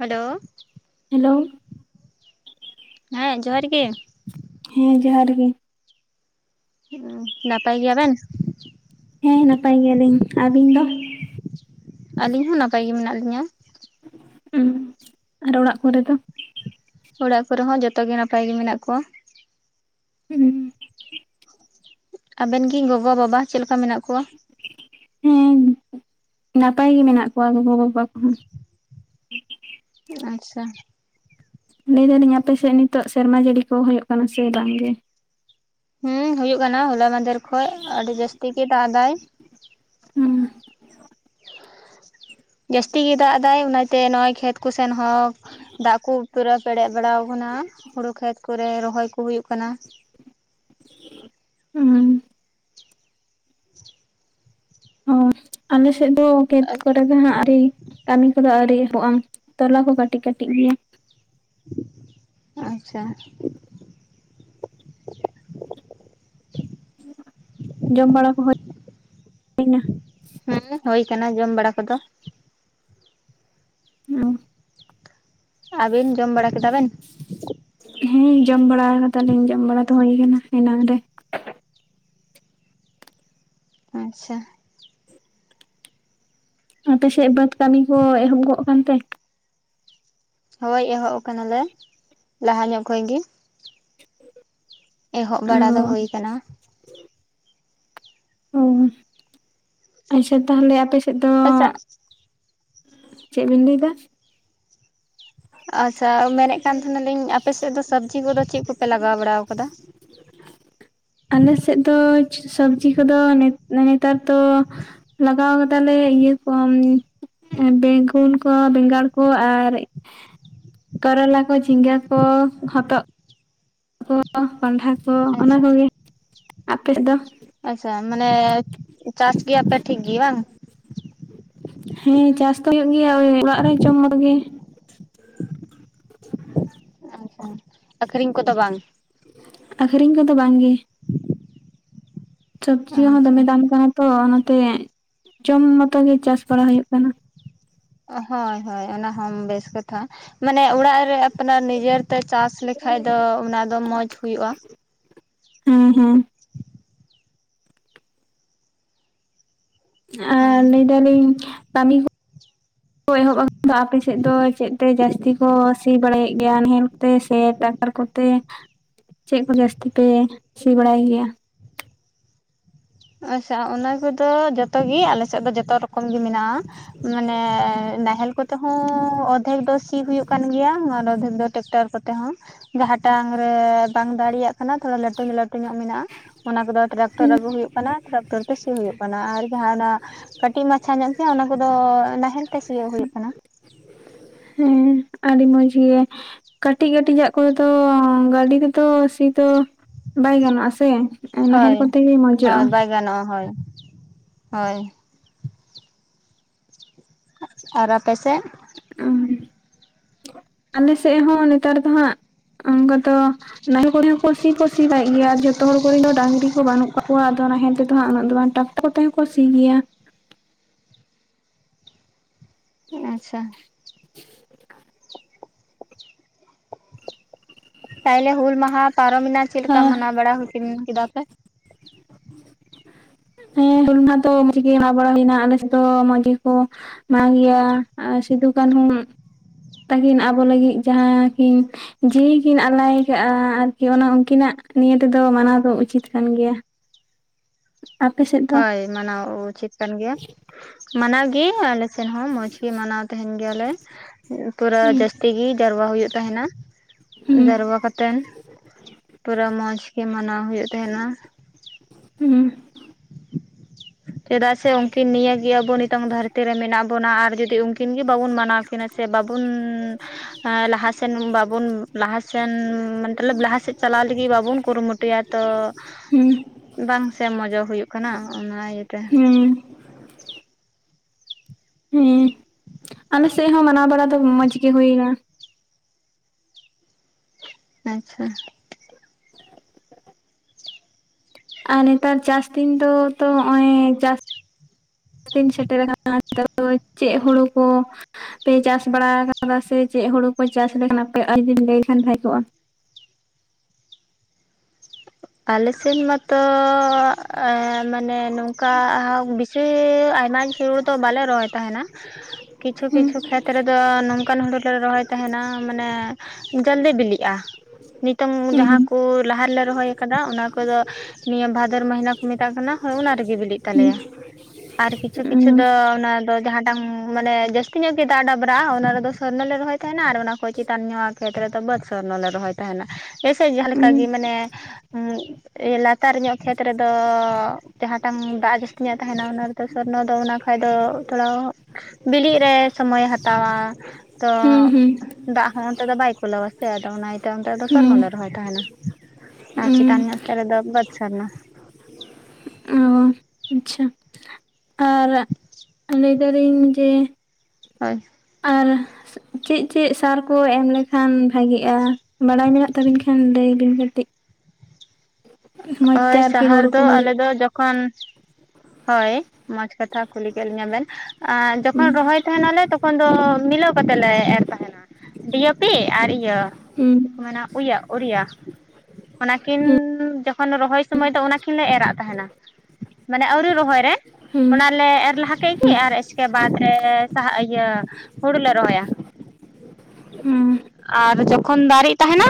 Hello. Hello. ᱦᱮᱸ ᱡᱚᱦᱟᱨ ᱜᱮ᱾ ᱦᱮᱸ ᱡᱚᱦᱟᱨ ᱜᱮ᱾ ᱦᱩᱸᱻ ᱱᱟᱯᱟᱭ ᱜᱮᱭᱟ ᱵᱮᱱ? ᱦᱮᱸ ᱱᱟᱯᱟᱭ ᱜᱮᱭᱟᱞᱤᱧ᱾ ᱟᱵᱤᱱ ᱫᱚ? [inaudible] ᱟᱞᱤᱧ ᱦᱚᱸ ᱱᱟᱯᱟᱭ ᱜᱮ ᱢᱮᱱᱟᱜ ᱞᱤᱧᱟᱹ᱾ ᱦᱩᱸ, ᱟᱨ ᱚᱲᱟᱜ ᱠᱚᱨᱮ ᱫᱚ? ᱚᱲᱟᱜ ᱠᱚᱨᱮ ᱦᱚᱸ ᱡᱚᱛᱚ ᱜᱮ ᱱᱟᱯᱟᱭ ᱜᱮ ᱢᱮᱱᱟᱜ ᱠᱚᱣᱟ᱾ ᱦᱩᱸ᱾ ᱟᱵᱮᱱ ᱜᱤ ᱜᱚᱜᱚ, ᱵᱟᱵᱟ ᱪᱮᱫ ᱞᱮᱠᱟ ᱢᱮᱱᱟᱜ ᱠᱚᱣᱟ? ᱦᱮᱸ ᱱᱟᱯᱟᱭ ᱜᱮ ᱢᱮᱱᱟᱜ ᱠᱚᱣᱟ ᱜᱚᱜᱚ ᱵᱟᱵᱟ ᱠᱚ ᱦᱚᱸ᱾ ᱟᱪᱪᱷᱟ᱾ ᱞᱟᱹᱭᱫᱟᱞᱤᱧ ᱟᱯᱮ ᱥᱮᱫ ᱱᱤᱛᱚᱜ ᱥᱮᱨᱢᱟ ᱡᱟᱲᱤ ᱠᱚ ᱦᱩᱭᱩᱜ ᱠᱟᱱᱟ ᱥᱮ ᱵᱟᱝᱜ ᱜᱮ? ᱦᱮᱸ ᱦᱩᱭᱩᱜ ᱠᱟᱱᱟ ᱦᱚᱞᱟ ᱢᱟᱫᱷᱮᱨ ᱠᱷᱚᱡ ᱟᱰᱤ ᱡᱟᱥᱛᱤ ᱜᱮ ᱫᱟᱜ ᱫᱟᱭ᱾ ᱦᱩᱸ᱾ ᱡᱟᱥᱛᱤ ᱜᱮ ᱫᱟᱜ ᱫᱟᱭ ᱚᱱᱟᱛᱮ ᱱᱚᱜ-ᱚᱜ ᱠᱷᱮᱛ ᱠᱚ ᱥᱮᱱ ᱦᱚᱸ ᱫᱟᱜ ᱠᱩ ᱯᱨᱟᱭ ᱯᱮᱨᱮᱡ ᱵᱟᱲᱟᱣ ᱠᱟᱱᱟ ᱦᱩᱲᱩ ᱠᱷᱮᱛ ᱠᱚᱨᱮ ᱨᱚᱦᱚᱭ ᱠᱚ ᱦᱩᱭᱩᱜ ᱠᱟᱱᱟ᱾ ᱦᱩᱸᱻ [inaudible] ᱦᱩᱸ ᱟᱞᱮ ᱥᱮᱫ ᱫᱚ ᱠᱷᱮᱛ ᱠᱚᱨᱮ ᱫᱚ ᱱᱟᱜ ᱟᱣᱨᱤ᱾ ᱠᱟᱢᱤ ᱠᱚᱫᱚ ᱟᱹᱣᱨᱤ ᱮᱦᱚᱵᱚᱜ-ᱟ, ᱛᱚᱞᱟ ᱠᱚ ᱠᱟᱴᱤᱡ ᱠᱟᱴᱤᱡ ᱜᱮᱭᱟ᱾ [inaudible] ᱟᱪᱪᱷᱟ [inaudible] [inaudible] ᱡᱚᱢ ᱵᱟᱲᱟ ᱠᱚ ᱦᱳᱭ [inaudible] ᱦᱩᱸ ᱦᱳᱭ ᱠᱟᱱᱟ ᱡᱚᱢ ᱵᱟᱲᱟ ᱠᱚ ᱫᱚ᱾ ᱦᱩᱸ᱾ ᱟᱵᱤᱱ ᱡᱚᱢ ᱵᱟᱲᱟ ᱠᱮᱫᱟ ᱵᱮᱱ? ᱦᱮᱸ ᱡᱚᱢ ᱵᱟᱲᱟ ᱟᱠᱟᱫᱟ ᱞᱤᱧ, ᱡᱚᱢ ᱵᱟᱲᱟ ᱫᱚ ᱦᱩᱭ ᱠᱟᱱᱟ ᱮᱱᱟᱝ ᱨᱮ᱾ ᱟᱪᱪᱷᱟ᱾ ᱟᱯᱮ ᱥᱮᱫ ᱵᱟᱹᱫᱽ ᱠᱟᱢᱤ ᱠᱚ ᱮᱦᱚᱵᱽ ᱜᱚᱫ ᱠᱟᱱᱛᱮ? ᱦᱳᱭ ᱮᱦᱚᱵᱽ ᱠᱟᱱᱟᱞᱮ ᱞᱟᱦᱟ ᱧᱚᱜ ᱠᱷᱚᱡ ᱜᱮ᱾ [inaudible] ᱮᱦᱚᱵ ᱚ ᱵᱟᱲᱟ ᱫᱚ ᱦᱩᱭ ᱠᱟᱱᱟ᱾ ᱩᱸᱻ ᱟᱪᱷᱟ ᱛᱟᱦᱞᱮ ᱟᱯᱮ ᱥᱮᱫ ᱫᱚ ᱟᱪᱪᱷᱟ ᱪᱮᱫ ᱵᱤ‍ᱱ ᱞᱟᱹᱭᱫᱟ? ᱟᱪᱪᱷᱟ, ᱢᱮᱱᱮᱫ ᱠᱟᱱ ᱛᱟᱦᱮᱱᱟᱞᱤᱧ ᱟᱯᱮᱥᱮᱜ ᱫᱚ ᱥᱚᱵᱢᱤ ᱠᱚ ᱫᱚ ᱪᱮᱫ ᱠᱚᱯᱮ ᱞᱟᱜᱟᱣ ᱵᱟᱲᱟᱣ ᱠᱟᱫᱟ? [inaudible] ᱟᱞᱮ ᱥᱮᱫ ᱫᱚ ᱥᱚᱵᱽᱡᱤ ᱠᱚᱫᱚ ᱱᱮᱛᱟᱨ ᱫᱚ ᱞᱟᱜᱟᱣ ᱠᱟᱫᱟᱞᱮ ᱤᱭᱟᱹ ᱠᱚ ᱵᱮᱜᱩᱱ ᱠᱚ ᱵᱮᱸᱜᱟᱲ ᱠᱚ ᱟᱨ ᱠᱚᱨᱚᱞᱟ ᱠᱚ ᱡᱷᱤᱸᱜᱟ ᱠᱚ ᱦᱚᱛᱚᱜ ᱠᱚ ᱠᱚᱱᱸᱰᱷᱟ ᱠᱚ ᱚᱱᱟ ᱟᱪᱪᱷᱟ ᱠᱚᱜᱮ ᱟᱯᱮ ᱥᱮᱫ ᱫᱚ? ᱟᱪᱪᱷᱟ ᱢᱟᱱᱮ ᱪᱟᱥ ᱜᱮᱭᱟᱯᱮ ᱴᱷᱤᱠ ᱜᱤ ᱵᱟᱝ? ᱦᱮᱸ ᱪᱟᱥ ᱫᱚ ᱦᱩᱭᱩᱜ ᱜᱮᱭᱟ ᱳᱭ ᱚᱲᱟᱜ ᱨᱮ ᱡᱚᱢ [unintelligible] ᱟᱪᱪᱷᱟ ᱟᱠᱷᱨᱤᱧ ᱠᱚᱫᱚ ᱵᱟᱝ? ᱟᱠᱷᱨᱤᱧ ᱠᱚᱫᱚ ᱵᱟᱝᱜᱮ ᱾ ᱥᱚᱵᱽᱡᱤ ᱦᱚᱸ ᱟᱪᱪᱷᱟ ᱫᱚᱢᱮ ᱫᱟᱢ ᱠᱟᱱᱟ ᱛᱚ ᱚᱱᱟᱛᱮ ᱡᱚᱢ ᱢᱚᱛᱚ ᱜᱮ ᱪᱟᱥ ᱵᱟᱲᱟ ᱦᱩᱭᱩᱜ ᱠᱟᱱᱟ ᱾ ᱦᱳᱭ ᱦᱳᱭ ᱚᱱᱟ ᱦᱚᱸ ᱵᱮᱥ ᱠᱟᱛ ᱢᱟᱱᱮ ᱚᱲᱟᱜ ᱨᱮ ᱟᱯᱱᱟᱨ ᱱᱤᱡᱮᱨ ᱛᱮ ᱪᱟᱥ ᱞᱮᱠᱷᱟᱱ ᱫᱚ ᱚᱱᱟ ᱫᱚ ᱢᱚᱸᱡᱽ ᱦᱳᱭᱳᱜᱼᱟ᱾ ᱦᱮᱸ ᱦᱮᱸ ᱾ ᱟᱨ ᱦᱳᱭ ᱞᱟᱹᱭ ᱫᱟᱞᱤᱧ ᱠᱟᱹᱢᱤ [unintelligible] ᱠᱚ ᱮᱦᱚᱵ ᱟᱠᱟᱱ ᱫᱚ ᱟᱯᱮ ᱥᱮᱫ ᱫᱚ ᱪᱮᱫ ᱛᱮ ᱡᱟᱹᱥᱛᱤ ᱠᱚ ᱥᱤ ᱵᱟᱲᱟᱭᱮᱫ ᱜᱮᱭᱟ ᱱᱟᱦᱮᱞᱛᱮ ᱥᱮ ᱴᱟᱠᱴᱟᱨ ᱠᱚᱛᱮ? ᱛᱮ ᱪᱮᱫ ᱠᱚ ᱡᱟᱹᱥᱛᱤ ᱯᱮ ᱥᱤ ᱵᱟᱲᱟᱭ ᱜᱮᱭᱟ? ᱟᱪᱪᱷᱟ ᱚᱱᱟ ᱠᱚᱫᱚ ᱡᱚᱛᱚ ᱜᱮ ᱟᱞᱮ ᱥᱮᱫ ᱫᱚ ᱡᱚᱛᱚ ᱨᱚᱠᱚᱢ ᱜᱮ ᱢᱮᱱᱟᱜᱼᱟ᱾ ᱢᱟᱱᱮ ᱱᱟᱦᱮᱞ ᱠᱚᱛᱮᱦᱚᱸ ᱚᱫᱷᱮᱠ ᱫᱚ ᱥᱤ ᱦᱩᱭᱩᱜ ᱠᱟᱱ ᱜᱮᱭᱟ ᱟᱨ ᱚᱫᱷᱮᱠ ᱫᱚ ᱴᱮᱠᱴᱟᱨ ᱠᱚᱛᱮ ᱦᱚᱸ ᱡᱟᱦᱟᱸᱴᱟᱝ ᱨᱮ ᱵᱟᱝ ᱫᱟᱲᱮᱭᱟᱜ ᱛᱷᱚᱲᱟ ᱞᱟᱹᱴᱩ ᱞᱟᱹᱴᱩ ᱧᱚᱜ ᱢᱮᱱᱟᱜᱼᱟ ᱚᱱᱟ ᱠᱚᱫᱚ ᱴᱨᱟᱠᱴᱚᱨ ᱟᱹᱜᱩ ᱦᱩᱭᱩᱜ ᱠᱟᱱᱟ ᱴᱨᱟᱠᱴᱚᱨ ᱛᱮ ᱥᱤ ᱦᱩᱭᱩᱜ ᱠᱟᱱᱟ ᱟᱨ ᱡᱟᱦᱟᱸᱟᱱᱟᱜ ᱠᱟᱹᱴᱤᱡ ᱢᱟᱪᱷᱟ ᱧᱚᱜ ᱜᱮᱭᱟ ᱚᱱᱟ ᱠᱚᱫᱚ ᱱᱟᱦᱮᱞ ᱛᱮ ᱥᱤᱭᱳᱜ ᱦᱳᱭᱳᱜ ᱠᱟᱱᱟ ᱾ ᱦᱮᱸ ᱟᱹᱰᱤ ᱢᱚᱡᱽ ᱜᱮ᱾ ᱠᱟᱹᱴᱤᱡ ᱠᱟᱹᱴᱤᱡᱟᱜ ᱠᱚᱫᱚ ᱜᱟᱹᱰᱤ ᱨᱮᱫᱚ ᱥᱤ ᱫᱚ ᱵᱟᱭ ᱜᱟᱱᱚᱜ-ᱟ ᱥᱮ? ᱱᱟᱦᱮᱞ ᱦᱳᱭ ᱠᱚᱛᱮ ᱜᱮ ᱢᱚᱡᱚᱜᱼᱟ ᱦᱳᱭ ᱵᱟᱭ ᱜᱟᱱᱚᱜᱼᱟ ᱦᱳᱭ ᱦᱳᱭ ᱾ ᱟᱨ ᱟᱯᱮ ᱥᱮᱫ? ᱚᱻ ᱟᱞᱮ ᱥᱮᱫ ᱦᱚᱸ ᱱᱮᱛᱟᱨ ᱫᱚ ᱦᱟᱸᱜ ᱚᱱᱠᱟ ᱫᱚ ᱱᱟᱦᱮᱞ ᱠᱚᱨᱮ ᱦᱚᱸ ᱠᱚ ᱥᱤ ᱠᱚ ᱥᱤᱵᱟᱭᱮᱜ ᱜᱮᱭᱟ ᱟᱨ ᱡᱚᱛᱚ ᱦᱚᱲ ᱠᱚᱨᱮᱱ ᱫᱚ ᱰᱟᱝᱨᱤ ᱦᱚᱸ ᱵᱟᱹᱱᱩᱜ ᱠᱚᱣᱟ᱾ ᱠᱚᱣᱟ ᱟᱫᱚ ᱱᱟᱦᱮᱞ ᱛᱮᱫᱚ ᱦᱟᱜ ᱩᱱᱟᱹᱜ ᱫᱚ ᱵᱟᱝ ᱴᱟᱠᱴᱚᱨ ᱠᱚ ᱛᱮᱦᱚᱸ ᱠᱚ ᱥᱤ ᱜᱮᱭᱟ ᱾ ᱟᱪᱪᱷᱟ᱾ [unintelligible] ᱛᱟᱦᱞᱮ ᱦᱩᱞ ᱢᱟᱦᱟ ᱯᱟᱨᱚᱢᱮᱱᱟ ᱪᱮᱫᱞᱮᱠᱟ ᱟᱨ ᱢᱟᱱᱟᱣ ᱵᱟᱲᱟ ᱦᱩᱭ [unintelligible] ᱠᱮᱫᱟ ᱯᱮ? ᱦᱮᱸ ᱦᱩᱞᱢᱟᱦᱟ ᱫᱚ ᱢᱚᱸᱡᱽ ᱜᱮ ᱮᱢᱟ ᱵᱟᱲᱟ ᱦᱩᱭᱱᱟ ᱟᱞᱮ ᱥᱮᱫ ᱫᱚ ᱢᱚᱸᱡᱽ ᱜᱮᱠᱚ ᱢᱟᱱᱟᱣ ᱜᱮᱭᱟ ᱥᱤᱫᱩ ᱠᱟᱱᱦᱩ ᱛᱟᱹᱠᱤᱱ ᱟᱵᱚ ᱞᱟᱹᱜᱤᱫ ᱡᱟᱦᱟᱸ ᱠᱤᱱ ᱡᱤᱣᱤ ᱠᱤᱱ ᱟᱞᱟᱭ ᱟᱠᱟᱜᱼᱟ ᱟᱨ ᱠᱤ ᱚᱱᱟ ᱩᱱᱠᱤᱱᱟᱜ ᱱᱤᱭᱟᱹ ᱛᱮᱫᱚ ᱢᱟᱱᱟᱣ ᱫᱚ ᱩᱪᱤᱛ ᱠᱟᱱ ᱜᱮᱭᱟ ᱾ ᱦᱳᱭ ᱢᱟᱱᱟᱣ ᱩᱪᱤᱛ ᱠᱟᱱ ᱜᱮᱭᱟ ᱾ ᱢᱟᱱᱟᱣ ᱜᱮ ᱟᱞᱮ ᱥᱮᱫ ᱦᱚᱸ ᱢᱚᱸᱡ ᱜᱮ ᱢᱟᱱᱟᱣ ᱛᱟᱦᱮᱱ ᱜᱮᱭᱟᱞᱮ ᱯᱩᱨᱟᱹ ᱡᱟᱹᱥᱛᱤ ᱛᱮᱜᱮ ᱡᱟᱨᱣᱟ ᱦᱩᱭᱩᱜ ᱛᱟᱦᱮᱱᱟ ᱡᱟᱨᱣᱟ ᱠᱟᱛᱮᱱ ᱯᱩᱨᱟᱹ ᱢᱚᱸᱪᱜᱤ ᱢᱟᱱᱟᱣ ᱦᱩᱭᱩᱜ ᱛᱟᱦᱮᱸᱱᱟ ᱾ ᱦᱩᱸ᱾ ᱪᱮᱫᱟᱜ ᱥᱮ ᱩᱱᱠᱤᱱ ᱱᱤᱭᱟᱹ ᱜᱮ ᱟᱵᱚ ᱱᱤᱛᱚᱝ ᱫᱷᱟᱹᱨᱛᱤ ᱨᱮ ᱢᱮᱱᱟᱜ ᱵᱚᱱᱟ ᱟᱨ ᱡᱩᱫᱤ ᱩᱱᱠᱤᱱ ᱜᱮ ᱵᱟᱵᱚᱱ ᱢᱟᱱᱟᱣ ᱠᱤᱱᱟ ᱥᱮ ᱵᱟᱵᱩᱱ ᱞᱟᱦᱟᱥᱮᱱ ᱵᱟᱵᱚᱱ ᱞᱟᱦᱟᱥᱮᱱ ᱢᱟᱹᱛᱞᱟᱹᱵ ᱞᱟᱦᱟᱥᱮᱫ ᱪᱟᱞᱟᱣ ᱞᱟᱹᱜᱤᱫ ᱵᱟᱵᱚᱱ ᱠᱩᱨᱩᱢᱩᱴᱩᱭᱟ ᱛᱚ ᱵᱟᱝ ᱥᱮ ᱢᱚᱡᱚᱜ ᱦᱩᱭᱩᱜ ᱠᱟᱱᱟ ᱚᱱᱟ ᱤᱭᱟᱹ ᱛᱮ ᱾ ᱦᱮᱸ ᱦᱮᱸ ᱟᱞᱮ ᱥᱮᱫ ᱦᱚᱸ ᱢᱟᱱᱟᱣ ᱵᱟᱲᱟ ᱫᱚ ᱢᱚᱸᱡᱽ ᱜᱮ ᱦᱩᱭᱱᱟ ᱾ ᱟᱪᱪᱷᱟ᱾ ᱟᱨ ᱱᱮᱛᱟᱨ ᱪᱟᱥ ᱫᱤᱱ ᱫᱚ ᱛᱚ ᱱᱚᱜ-ᱚᱭ ᱪᱟᱥ ᱫᱤᱱ ᱥᱮᱴᱮᱨ ᱟᱠᱟᱱᱟ ᱟᱨ ᱱᱮᱛᱟᱨ ᱫᱚ ᱪᱮᱫ ᱦᱩᱲᱩ ᱠᱚ ᱯᱮ ᱪᱟᱥ ᱵᱟᱲᱟ ᱟᱠᱟᱫᱟ ᱥᱮ ᱪᱮᱫ ᱦᱩᱲᱩ ᱯᱮ ᱪᱟᱥ ᱞᱮᱠᱷᱟᱱ ᱟᱯᱮ [unintelligible] ᱞᱟᱹᱭᱞᱮᱠᱷᱟᱱ ᱵᱷᱟᱜᱮ ᱠᱚᱜ-ᱟ ᱾ ᱟᱞᱮ ᱥᱮᱱ ᱢᱟᱛᱚᱻ ᱟ ᱢᱟᱱᱮ ᱱᱚᱝᱠᱟ ᱟ ᱵᱤ ᱥᱤ ᱟᱭᱢᱟ ᱦᱩᱲᱩ ᱫᱚ ᱵᱟᱞᱮ ᱨᱚᱦᱚᱭ ᱛᱟᱦᱮᱱᱟ᱾ ᱠᱤᱪᱷᱩ ᱚ ᱠᱤᱪᱷᱩ ᱠᱷᱮᱛ ᱠᱷᱮᱛ ᱨᱮᱫᱚ ᱱᱚᱝᱠᱟᱱ ᱦᱩᱲᱩ ᱞᱮ ᱨᱚᱦᱚᱭ ᱛᱟᱦᱮᱱᱟ ᱢᱟᱱᱮ ᱡᱚᱞᱫᱤ ᱵᱤᱞᱤᱜ-ᱟ᱾ ᱱᱤᱛᱚᱝ ᱡᱟᱦᱟᱸ ᱠᱚ ᱞᱟᱦᱟ ᱨᱮᱞᱮ ᱨᱚᱦᱚᱭ ᱟᱠᱟᱫᱟ ᱚᱱᱟ ᱠᱚᱫᱚ ᱱᱤᱭᱟᱹ ᱵᱷᱟᱫᱚᱨ ᱢᱟᱹᱦᱤᱱᱟᱹ ᱠᱚ ᱢᱮᱛᱟᱜ ᱠᱟᱱᱟ ᱦᱳᱭ ᱚᱱᱟ ᱨᱮᱜᱮ ᱵᱤᱞᱤᱜ ᱛᱟᱞᱮᱭᱟ᱾ [inaudible] ᱟᱨ ᱠᱤᱪᱷᱩ ᱠᱤᱪᱷᱩ ᱫᱚ ᱚᱱᱟ ᱫᱚ ᱡᱟᱦᱟᱸᱴᱟᱝ ᱢᱟᱱᱮ ᱡᱟᱹᱥᱛᱤ ᱧᱚᱜ ᱜᱮ ᱫᱟᱜ ᱰᱟᱵᱨᱟᱜ-ᱟ ᱚᱱᱟ ᱨᱮᱫᱚ ᱥᱚᱨᱱᱚ ᱞᱮ ᱨᱚᱦᱚᱭ ᱛᱟᱦᱮᱱᱟ ᱟᱨ ᱚᱱᱟ ᱠᱚᱭ ᱪᱮᱛᱟᱱ ᱠᱷᱮᱛ ᱨᱮᱫᱚ ᱵᱟᱹᱫᱽ ᱥᱚᱨᱱᱚ ᱞᱮ ᱨᱚᱦᱚᱭ ᱛᱟᱦᱮᱱᱟ᱾ ᱡᱮᱭᱥᱮ ᱡᱟᱦᱟᱸ ᱞᱮᱠᱟ ᱜᱮ ᱢᱟᱱᱮ ᱩᱸ ᱞᱟᱛᱟᱨ ᱧᱚᱜ ᱠᱷᱮᱛ ᱨᱮᱫᱚ ᱡᱟᱦᱟᱸᱴᱟᱝ ᱫᱟᱜ ᱡᱟᱹᱥᱛᱤ ᱧᱚᱜ ᱛᱟᱦᱮᱱᱟ ᱚᱱᱟ ᱨᱮᱫᱚ ᱥᱚᱨᱱᱚ ᱫᱚ ᱚᱱᱟ [unintelligible] ᱫᱚ ᱛᱷᱚᱲᱟ ᱵᱤᱞᱤᱜ ᱨᱮ ᱥᱚᱢᱚᱭᱮ ᱦᱟᱛᱟᱣᱟ᱾ ᱛᱚ, ᱫᱟᱜ ᱦᱚᱸ ᱚᱱᱛᱮ ᱫᱚ ᱵᱟᱭ ᱠᱩᱞᱟᱹᱣᱟ ᱥᱮ ᱟᱫᱚ ᱚᱱᱟ ᱤᱭᱟᱹᱛᱮ ᱚᱱᱛᱮ ᱫᱚ ᱥᱚᱨᱱᱚ ᱞᱮ ᱨᱚᱦᱚᱭ ᱛᱟᱦᱮᱱᱟ᱾ ᱟᱨ ᱪᱮᱛᱟᱱ ᱧᱚᱜ ᱥᱮᱫ ᱨᱮᱫᱚ ᱵᱟᱹᱫᱽ ᱥᱚᱨᱱᱚ᱾ ᱚ ᱟᱪᱪᱷᱟ ᱟᱨ ᱞᱟᱹᱭ ᱮᱫᱟᱞᱤᱧ ᱡᱮ ᱦᱳᱭ ᱾ ᱟᱨ ᱪᱮᱫ ᱪᱮᱫ ᱥᱟᱨ ᱠᱚ ᱮᱢ ᱞᱮᱠᱷᱟᱱ ᱵᱷᱟᱜᱤᱜ-ᱟ, ᱵᱟᱲᱟᱭ ᱢᱮᱱᱟᱜ ᱛᱟᱵᱤᱱ ᱠᱷᱟᱱ ᱞᱟᱹᱭ ᱵᱤᱱ ᱠᱟᱹᱴᱤᱡ᱾ [inaudible] ᱢᱚᱡᱽ ᱦᱳᱭ ᱛᱮ ᱟᱨᱠᱤ ᱥᱟᱦᱟᱨ ᱦᱩᱲᱩ ᱠᱚ ᱫᱚ ᱟᱞᱮ ᱦᱩᱭᱩᱜ ᱫᱚ ᱡᱚᱠᱷᱚᱱ ᱦᱳᱭ ᱢᱚᱸᱡᱽ ᱠᱟᱛᱷᱟ ᱠᱩᱞᱤ ᱠᱮᱫ ᱞᱤᱧᱟ ᱵᱮᱱ, ᱡᱚᱠᱷᱚᱱ ᱦᱩᱸ ᱨᱚᱦᱚᱭ ᱛᱟᱦᱮᱱᱟᱞᱮ ᱛᱚᱠᱷᱚᱱ ᱫᱚ ᱢᱤᱞᱟᱹᱣ ᱠᱚᱛᱮ ᱞᱮ ᱮᱨ ᱛᱟᱦᱮᱱᱟ ᱾ ᱰᱤ ᱭᱮ ᱯᱤ ᱟᱨ ᱤᱭᱟᱹ ᱪᱮᱫ ᱦᱩᱸ᱾ ᱢᱮᱱᱟ ᱩ ᱭᱟ ᱩᱨᱤᱭᱟ [inaudible] ᱚᱱᱟᱠᱤᱱ ᱦᱩᱸ ᱡᱚᱠᱷᱚᱱ ᱨᱚᱦᱚᱭ ᱥᱚᱢᱚᱭ ᱫᱚ ᱚᱱᱟ ᱟᱱᱟᱠᱤᱱ ᱞᱮ ᱮᱨᱟᱜ ᱛᱟᱦᱮᱱᱟ᱾ ᱢᱟᱱᱮ ᱟᱹᱣᱨᱤ ᱨᱚᱦᱚᱭ ᱨᱮ, ᱦᱩᱸ ᱚᱱᱟᱞᱮ ᱮᱨ ᱞᱟᱦᱟ ᱠᱮᱫ ᱜᱮ ᱟᱨ ᱩᱥᱠᱮ ᱵᱟᱫᱽ ᱨᱮ ᱥᱟᱦᱟ ᱤᱭᱟᱹ ᱦᱩᱲᱩ ᱞᱮ ᱨᱚᱦᱚᱭᱟ᱾ ᱦᱩᱸ [inaudible] ᱟᱨ ᱡᱚᱠᱷᱚᱱ ᱫᱟᱨᱮᱜ ᱛᱟᱦᱮᱱᱟ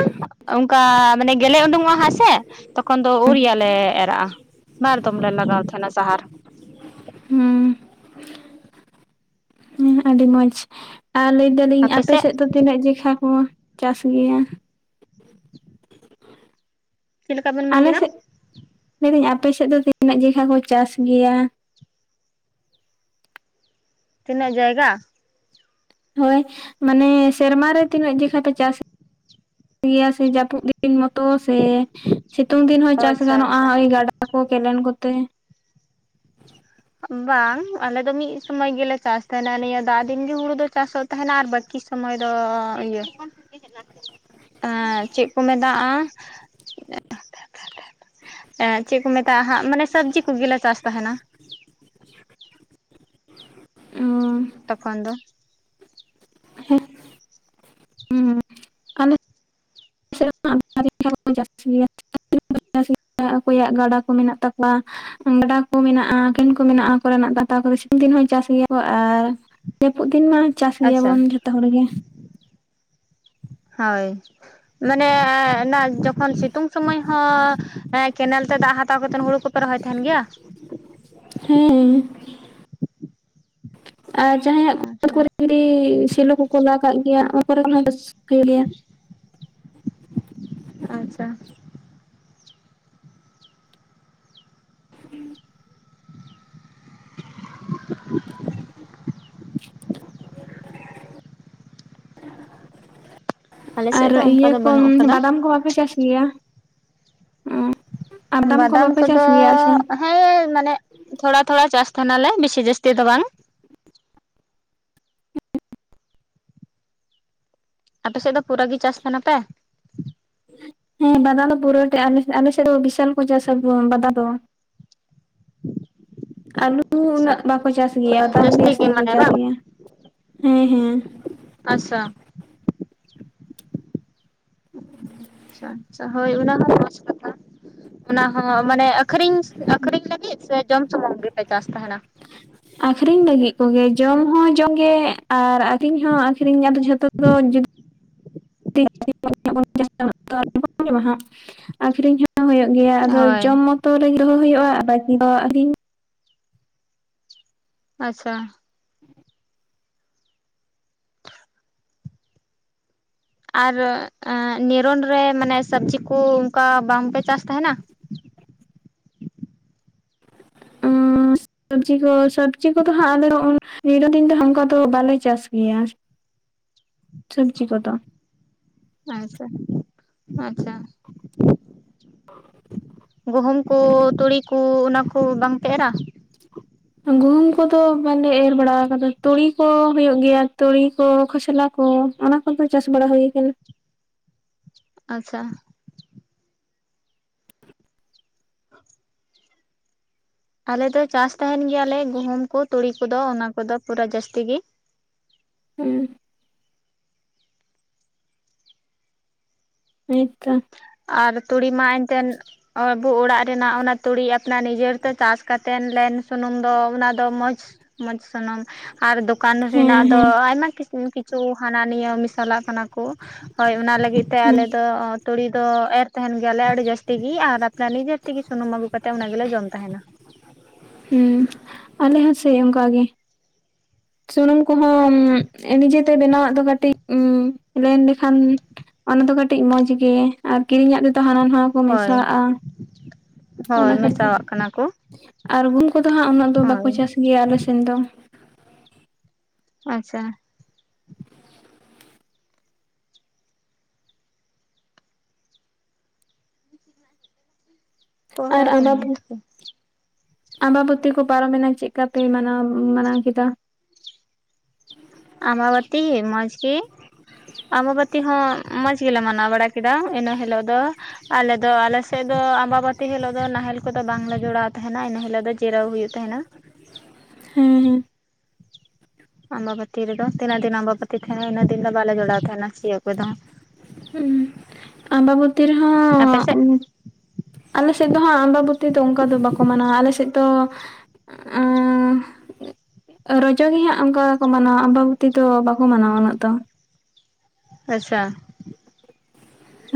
ᱚᱱᱠᱟ ᱢᱟᱱᱮ ᱜᱮᱞᱮ ᱩᱰᱩᱠᱚᱜ-ᱟ ᱦᱟᱜ ᱥᱮ ᱛᱚᱠᱷᱚᱱ ᱫᱚ ᱩᱭᱩ ᱨᱤᱭᱟ ᱞᱮ ᱮᱨᱟᱜ-ᱟ ᱾ ᱵᱟᱨ ᱫᱚᱢ ᱞᱮ ᱞᱟᱜᱟᱣ ᱛᱟᱦᱮᱸᱱᱟ ᱥᱟᱦᱟᱨ᱾ ᱦᱩᱸᱻ ᱟᱹᱰᱤ ᱢᱚᱸᱡᱽ ᱟᱨ ᱞᱟᱹᱭ ᱮᱫᱟᱞᱤᱧ ᱟᱯᱮ ᱥᱮᱫ ᱫᱚ ᱛᱤᱱᱟᱹᱜ ᱡᱮᱠᱷᱟᱡ ᱠᱚ ᱪᱟᱥ ᱜᱮᱭᱟ [inaudible] ᱪᱮᱫ ᱞᱮᱠᱟ ᱵᱮᱱ ᱢᱮᱱ ᱟᱞᱮ ᱠᱮᱫᱟ ᱥᱮᱫ [inaudible] ᱞᱟᱹᱭᱫᱟᱹᱧ ᱟᱯᱮ ᱥᱮᱫ ᱫᱚ ᱛᱤᱱᱟᱹᱜ ᱡᱚᱠᱷᱟᱡ ᱠᱚ ᱪᱟᱥ ᱜᱮᱭᱟ? ᱛᱤᱱᱟᱹᱜ ᱡᱟᱭᱜᱟ? ᱦᱳᱭ ᱢᱟᱱᱮ ᱥᱮᱨᱢᱟ ᱨᱮ ᱛᱤᱱᱟᱹᱜ ᱡᱚᱠᱷᱟᱡ ᱯᱮ ᱪᱟᱥ [inaudible] ᱜᱮᱭᱟ ᱥᱮ ᱡᱟᱹᱯᱩᱫ ᱫᱤᱱ ᱢᱚᱛᱚ ᱥᱮ ᱥᱤᱛᱩᱝ ᱫᱤᱱ ᱦᱚᱸ ᱚ ᱪᱟᱥ ᱟᱪᱪᱷᱟ ᱜᱟᱱᱚᱜ-ᱟ ᱟᱪᱪᱷᱟ ᱳᱭ ᱜᱟᱰᱟ ᱠᱚ ᱠᱮᱱᱮᱞ ᱠᱚᱛᱮ? ᱵᱟᱝ ᱟᱞᱮ ᱫᱚ ᱢᱤᱫ ᱥᱚᱢᱚᱭ ᱜᱮᱞᱮ ᱪᱟᱥ ᱛᱟᱦᱮᱱᱟ ᱱᱤᱭᱟᱹ ᱫᱟᱜ ᱫᱤᱱ ᱜᱮ ᱦᱩᱲᱩ ᱫᱚ ᱪᱟᱥᱚᱜ ᱛᱟᱦᱮᱱᱟ ᱟᱨ ᱵᱟᱹᱠᱤ ᱥᱚᱢᱚᱭ ᱫᱚ ᱤᱭᱟᱹ ᱮᱸ ᱪᱮᱫ ᱠᱚ ᱢᱮᱛᱟᱜ-ᱟ ᱮ ᱪᱮᱫ ᱠᱚ ᱢᱮᱛᱟᱜ-ᱟ ᱦᱟᱸᱜ, ᱢᱟᱱᱮ ᱥᱚᱵᱽᱡᱤ ᱠᱚᱜᱮᱞᱮ ᱪᱟᱥ ᱛᱟᱦᱮᱱᱟ᱾ [inaudible] ᱳ ᱾ ᱛᱚᱠᱷᱚᱱ ᱫᱚ [unintelligible] ᱟᱞᱮ [unintelligible] ᱚᱠᱚᱭᱟᱜ ᱜᱟᱰᱟ ᱠᱚ ᱢᱮᱱᱟᱜ ᱛᱟᱠᱚᱣᱟ ᱾ ᱜᱟᱰᱟ ᱠᱚ ᱢᱮᱱᱟᱜᱼᱟ ᱠᱮᱱᱮᱞ ᱠᱚ ᱢᱮᱱᱟᱜᱼᱟ ᱠᱚᱨᱮᱱᱟᱜ [unintelligible] ᱠᱚ ᱫᱤᱱ ᱦᱚᱸ ᱪᱟᱥ ᱜᱮᱭᱟ ᱠᱚ ᱟᱨ ᱡᱟᱹᱯᱩᱫ ᱫᱤᱱ ᱢᱟ ᱪᱟᱥ ᱟᱪᱪᱷᱟ ᱜᱮᱭᱟᱵᱚᱱ ᱡᱷᱚᱛᱚ ᱦᱚᱲ ᱜᱮ ᱾ ᱦᱳᱭ ᱢᱟᱱᱮ ᱚᱱᱟ ᱡᱚᱠᱷᱚᱱ ᱥᱤᱛᱩᱝ ᱥᱩᱢᱚᱭ ᱦᱚᱸ ᱮᱸ ᱠᱮᱱᱮᱞ ᱛᱮ ᱫᱟᱜ ᱦᱟᱛᱟᱣ ᱠᱟᱛᱮᱫ ᱦᱩᱲᱩ ᱠᱚᱯᱮ ᱨᱚᱦᱚᱭ ᱛᱟᱦᱮᱱ ᱜᱮᱭᱟ? ᱦᱮᱸ ᱟᱨ ᱡᱟᱦᱟᱸᱭᱟᱜ ᱟᱪᱪᱷᱟ ᱠᱚᱨᱮ [unintelligible] ᱥᱮᱞᱚ ᱠᱚᱠᱚ ᱞᱟ ᱠᱟᱜ ᱜᱮᱭᱟ ᱚᱱᱟ ᱠᱚᱨᱮ ᱨᱟᱹᱥᱠᱟᱹᱭ ᱜᱮᱭᱟ ᱾ ᱟᱪᱪᱷᱟ [inaudible] [inaudible] ᱟᱞᱮ [inaudible] ᱟᱨ ᱥᱮᱫ ᱫᱚ ᱚᱱᱠᱟ ᱤᱭᱟᱹ ᱫᱚ ᱠᱚ ᱵᱟᱹᱱᱩᱜ ᱟᱠᱟᱫᱟ ᱵᱟᱫᱟᱢ ᱠᱚ ᱵᱟᱯᱮ ᱪᱟᱥ ᱜᱮᱭᱟ ᱚᱸ ᱵᱟᱫᱟᱢ ᱠᱚᱫᱚ ᱟᱦ ᱦᱮᱸ ᱢᱟᱱᱮ ᱛᱷᱚᱲᱟ ᱛᱷᱚᱲᱟ ᱪᱟᱥ ᱛᱟᱦᱮᱱᱟᱞᱮ ᱵᱤᱥᱤ ᱡᱟᱹᱥᱛᱤ ᱫᱚ ᱵᱟᱝ ᱾ ᱟᱯᱮᱥᱮᱫ ᱫᱚ ᱯᱩᱨᱟᱹ ᱜᱮ ᱪᱟᱥ ᱛᱟᱦᱮᱱᱟ ᱯᱮ ᱾ ᱦᱮᱸ ᱵᱟᱫᱟ ᱫᱚ ᱯᱩᱨᱟᱹ ᱴᱟ ᱟᱞᱮᱥᱮᱫ ᱟᱠᱮᱥᱮᱫ ᱫᱚ ᱵᱤᱥᱟᱞ ᱠᱚ ᱪᱟᱥᱟ ᱵᱟᱫᱟ ᱫᱚ ᱾ ᱟᱞᱩ ᱞᱩ ᱩᱱᱟᱹᱜ ᱟᱪᱪᱷᱟ ᱵᱟᱠᱚ ᱪᱟᱥ ᱜᱮᱭᱟ ᱯᱩᱨᱟᱹ ᱵᱟᱫᱟᱢ ᱜᱮ ᱡᱟᱹᱥᱛᱤ ᱠᱚ ᱢᱟᱱᱮ ᱪᱟᱥ ᱵᱟᱝ ᱜᱮᱭᱟ ᱦᱮᱸ ᱦᱮᱸ ᱾ ᱟᱥᱟ ᱟᱪᱪᱷᱟ ᱟᱪᱪᱷᱟ ᱦᱳᱭ ᱚᱱᱟ ᱦᱚᱸ ᱢᱚᱡᱽ ᱠᱟᱛᱷᱟ ᱾ ᱚᱱᱟ ᱦᱚᱸ ᱢᱟᱱᱮ ᱟᱠᱷᱨᱤᱧ ᱟᱠᱷᱨᱤᱧ ᱞᱟᱹᱜᱤᱫ ᱥᱮ ᱡᱚᱢ ᱥᱩᱢᱩᱝ ᱜᱮᱯᱮ ᱪᱟᱥ ᱛᱟᱦᱮᱱᱟ ᱾ ᱟᱠᱷᱨᱤᱧ ᱞᱟᱹᱜᱤᱫ ᱠᱚᱜᱮ ᱡᱚᱢ ᱦᱚᱸ ᱡᱚᱢ ᱜᱮ ᱟᱨ ᱟᱠᱷᱨᱤᱧ ᱦᱚᱸ ᱟᱠᱷᱨᱤᱧ ᱟᱫᱚ ᱡᱚ ᱡᱚᱛᱚ ᱫᱚ [unintelligible] [unintelligible] ᱟᱹᱠᱷᱨᱤᱧ ᱦᱚᱸ ᱦᱩᱭᱩᱜ ᱜᱮᱭᱟ ᱟᱫᱚ ᱦᱳᱭ ᱡᱚᱢ ᱢᱚᱛᱚ ᱨᱤᱜᱤ ᱦᱚᱸ ᱦᱩᱭᱩᱜ-ᱟ ᱟᱨ ᱵᱟᱠᱤ ᱫᱚ ᱟᱹᱠᱷᱨᱤᱧ ᱾ ᱟᱪᱪᱷᱟ ᱾ [inaudible] ᱟᱨ ᱮᱸ ᱱᱤᱨᱚᱱ ᱨᱮ ᱢᱟᱱᱮ ᱥᱟᱵᱽᱡᱤ ᱠᱚ ᱚᱱᱠᱟ ᱵᱟᱝᱯᱮ ᱪᱟᱥ ᱛᱟᱦᱮᱱᱟ ᱾ ᱥᱚᱵᱽᱡᱤ ᱠᱚ ᱥᱚᱵᱽᱡᱤ ᱠᱚᱫᱚ ᱦᱟᱸᱜ ᱟᱞᱮ ᱦᱚᱸ-ᱚᱱ ᱱᱤᱨᱚᱫᱤᱱ ᱫᱚ ᱦᱚᱝᱠᱟ ᱫᱚ ᱵᱟᱞᱮ ᱪᱟᱥ ᱜᱮᱭᱟ ᱾ ᱥᱚᱵᱽᱡᱤ ᱠᱚᱫᱚ ᱾ ᱟᱪᱪᱷᱟ ᱟᱪᱪᱷᱟ ᱾ [inaudible] ᱜᱩᱦᱩᱢ ᱠᱚ ᱛᱩᱲᱤ ᱠᱚ ᱚᱱᱟ ᱠᱚ ᱵᱟᱝ ᱯᱮ ᱮᱨᱟ ᱾ ᱜᱩᱦᱩᱢ ᱠᱚᱫᱚ ᱵᱟᱞᱮ ᱮᱨ ᱵᱟᱲᱟ ᱟᱠᱟᱫᱟ ᱛᱩᱲᱤ ᱠᱚ ᱦᱩᱭᱩᱜ ᱜᱮᱭᱟ ᱛᱩᱲᱤ ᱠᱚ ᱠᱷᱚᱥᱞᱟ ᱠᱚ ᱾ ᱚᱱᱟ ᱠᱚᱫᱚ ᱪᱟᱥ ᱵᱟᱲᱟ ᱦᱩᱭ ᱠᱟᱱᱟ ᱾ ᱟᱪᱪᱷᱟ [inaudible] ᱟᱞᱮ ᱫᱚ ᱪᱟᱥ ᱛᱟᱦᱮᱱ ᱜᱮᱭᱟᱞᱮ ᱜᱩᱦᱩᱢ ᱠᱚ ᱛᱩᱲᱤ ᱠᱚᱫᱚ ᱚᱱᱟ ᱠᱚᱫᱚ ᱯᱩᱨᱟᱹ ᱡᱟᱹᱥᱛᱤ ᱜᱮ ᱾ [unintelligible] [unintelligible] ᱟᱨ ᱛᱩᱲᱤ ᱢᱟ ᱮᱱᱛᱮᱱ ᱟᱵᱩ ᱚᱲᱟᱜ ᱨᱮᱱᱟᱜ ᱚᱱᱟ ᱛᱩᱲᱤ ᱟᱯᱱᱟᱨ ᱱᱤᱡᱮᱨᱛᱮ ᱪᱟᱥ ᱠᱟᱛᱮᱱ ᱞᱮᱱ ᱥᱩᱱᱩᱢ ᱫᱚ ᱚᱱᱟ ᱫᱚ ᱢᱚᱸᱡᱽ ᱢᱚᱸᱡᱽ ᱥᱩᱱᱩᱢ ᱟᱨ ᱫᱚᱠᱟᱱ ᱦᱮᱸ ᱨᱮᱱᱟᱜ ᱫᱚ ᱦᱮᱸ ᱟᱭᱢᱟ ᱠᱤᱪᱷᱩ ᱦᱟᱱᱟᱱᱤᱭᱟᱹ ᱢᱤᱥ ᱪᱟᱞᱟᱜ ᱠᱟᱱᱟ ᱠᱚ ᱦᱳᱭ ᱚᱱᱟ ᱞᱟᱹᱜᱤᱫ ᱛᱮ ᱦᱮᱸ ᱟᱞᱮ ᱫᱚ ᱛᱩᱲᱤ ᱫᱚ ᱮᱨ ᱛᱟᱦᱮᱱ ᱜᱮᱭᱟᱞᱮ ᱟᱹᱰᱤ ᱡᱟᱹᱥᱛᱤ ᱜᱮ ᱟᱨ ᱟᱯᱮ ᱱᱤᱡᱮ ᱛᱮᱜᱮ ᱥᱩᱱᱩᱢ ᱟᱹᱜᱩ ᱠᱟᱛᱮᱫ ᱚᱱᱟ ᱜᱮᱞᱮ ᱡᱚᱢ ᱛᱟᱦᱮᱱᱟ ᱾ ᱦᱮᱸ ᱟᱞᱮ ᱦᱚᱸ ᱥᱮ ᱚᱱᱠᱟ ᱜᱮ ᱾ ᱥᱩᱱᱩᱢ ᱠᱚᱦᱚᱸ ᱱᱤᱡᱮᱛᱮ ᱵᱮᱱᱟᱣᱟᱜ ᱫᱚ ᱠᱟᱹᱴᱤᱡ ᱞᱮᱱ ᱞᱮᱠᱷᱟᱱ ᱾ ᱚᱱᱟ ᱫᱚ ᱠᱟᱹᱴᱤᱡ ᱢᱚᱸᱡᱽᱜᱤ ᱟᱨ ᱠᱤᱨᱤᱧᱟᱜ ᱛᱮᱫᱚ ᱦᱟᱱᱟ ᱱᱚᱣᱟ ᱠᱚ ᱦᱳᱭ ᱢᱮᱥᱟᱣᱟᱜᱼᱟ ᱾ ᱦᱳᱭ ᱚᱱᱟ ᱠᱷᱟᱹᱛᱤᱨ ᱢᱮᱥᱟᱣᱟᱜ ᱠᱟᱱᱟ ᱠᱚ ᱟᱨ ᱦᱩᱢ ᱠᱚᱫᱚ ᱦᱟᱸᱜ ᱩᱱᱟᱹᱜ ᱫᱚ ᱵᱟᱠᱚ ᱦᱳᱭ ᱪᱟᱥ ᱜᱮᱭᱟ ᱟᱞᱮ ᱫᱚ ᱾ ᱟᱪᱪᱷᱟ ᱾ ᱯᱚᱨᱟ ᱟᱨ ᱯᱮ ᱟᱵᱟ ᱵᱩ ᱾ ᱟᱢᱵᱟᱵᱚᱛᱤ ᱠᱚ ᱯᱟᱨᱚᱢᱮᱱᱟ ᱪᱮᱫ ᱞᱮᱠᱟ ᱯᱮ ᱢᱟᱱᱟᱣ ᱢᱟᱱᱟᱣ ᱠᱮᱫᱟ ᱾ ᱟᱵᱟᱵᱚᱛᱤ ᱢᱚᱡᱽ ᱜᱤ ᱾ ᱟᱸᱵᱟᱵᱟᱹᱛᱤ ᱦᱚᱸ ᱢᱚᱸᱡᱽ ᱜᱮᱞᱮ ᱢᱟᱱᱟᱣ ᱵᱟᱲᱟ ᱠᱮᱫᱟ, ᱤᱱᱟᱹ ᱦᱤᱞᱚᱜ ᱫᱚ ᱾ ᱟᱞᱮ ᱫᱚ ᱟᱞᱮ ᱥᱮᱫ ᱫᱚ ᱟᱢᱵᱟᱵᱟᱹᱛᱤ ᱦᱤᱞᱳᱜ ᱫᱚ ᱱᱟᱦᱮᱞ ᱠᱚᱫᱚ ᱵᱟᱝ ᱞᱮ ᱡᱚᱲᱟᱣ ᱛᱟᱦᱮᱱᱟ ᱤᱱᱟᱹ ᱦᱤᱞᱳᱜ ᱫᱚ ᱡᱤᱨᱟᱹᱣ ᱦᱩᱭᱩᱜ ᱛᱟᱦᱮᱱᱟ᱾ ᱦᱮᱸ ᱦᱮᱸ ᱾ ᱟᱢᱵᱟᱵᱟᱹᱛᱤ ᱨᱮᱫᱚ ᱛᱤᱱᱟᱹᱜ ᱫᱤᱱ ᱟᱢᱵᱟᱵᱟᱹᱛᱤ ᱛᱟᱦᱮᱱᱟ ᱤᱱᱟᱹᱜ ᱫᱤᱱ ᱫᱚ ᱵᱟᱞᱮ ᱡᱚᱲᱟᱣ ᱛᱟᱦᱮᱱᱟ ᱥᱤᱭᱩᱜ ᱠᱚᱫᱚ᱾ ᱦᱩᱸ ᱟᱢᱵᱟᱵᱟᱹᱛᱤ ᱟᱯᱮ ᱥᱮᱫ ᱨᱮᱦᱚᱸ ᱜᱩᱴ ᱟᱞᱮ ᱥᱮᱫ ᱫᱚ ᱦᱟᱸᱜ ᱟᱢᱵᱟᱵᱟᱹᱛᱤ ᱫᱚ ᱚᱝᱠᱟ ᱫᱚ ᱵᱟᱠᱚ ᱢᱟᱱᱟᱣᱟ ᱟᱞᱮ ᱥᱮᱫ ᱫᱚ [inaudible] ᱨᱚᱡᱚ ᱜᱮ ᱦᱟᱸᱜ ᱚᱝᱠᱟ ᱠᱚ ᱢᱟᱱᱟᱣᱟ ᱟᱢᱵᱟᱵᱚᱛᱤ ᱫᱚ ᱵᱟᱠᱚ ᱢᱟᱱᱟᱣᱟ ᱩᱱᱟᱹᱜ ᱫᱚ᱾ ᱟᱪᱪᱷᱟ ᱾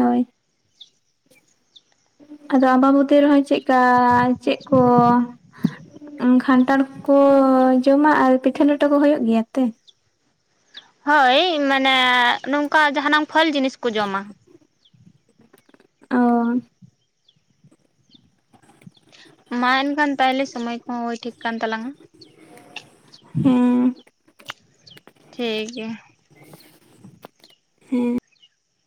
ᱦᱚᱭ ᱾ ᱟᱫᱚ ᱟᱢᱵᱟᱵᱚᱛᱤ ᱨᱮᱦᱚᱸ ᱪᱮᱜ ᱠᱟ, ᱪᱮᱫ ᱠᱚ ᱠᱷᱟᱱᱴᱟᱲ ᱠᱚ ᱡᱚᱢᱟ, ᱟᱨ ᱯᱤᱴᱷᱟᱹ ᱞᱮᱴᱚ ᱠᱚ ᱦᱩᱭᱩᱜ ᱜᱮᱭᱟ ᱛᱮ ᱾ ᱦᱳᱭ ᱢᱟᱱᱮ, ᱱᱚᱝᱠᱟ ᱡᱟᱦᱟᱸ ᱱᱟᱝ ᱯᱷᱚᱞ ᱡᱤᱱᱤᱥ ᱠᱚ ᱡᱚᱢᱟ᱾ ᱚ ᱾ ᱢᱟ ᱮᱱᱠᱷᱟᱱ ᱛᱟᱦᱞᱮ ᱥᱚᱢᱚᱭ ᱠᱚᱦᱚᱸ ᱦᱳᱭ ᱴᱷᱤᱠ ᱠᱟᱱ ᱛᱟᱞᱟᱝᱼᱟ ᱾ ᱦᱮᱸ ᱾ ᱴᱷᱤᱠ ᱜᱮᱭᱟ ᱾ ᱦᱮᱸ ᱾